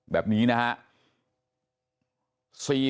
แบบนี้นะครับ